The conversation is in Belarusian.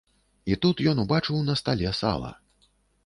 І тут ён убачыў на стале сала.